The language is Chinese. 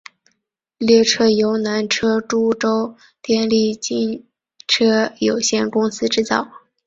列车由南车株洲电力机车有限公司制造。